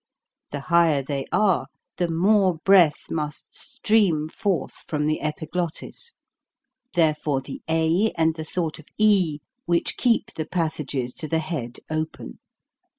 The higher they are, the more breath must stream forth from the epiglottis ; therefore the a and the thought of e, which keep the passages to the head open.